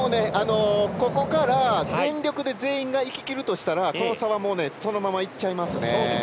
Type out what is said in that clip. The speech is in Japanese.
ここから全力で全員がいききるとしたらそのままいっちゃいますね。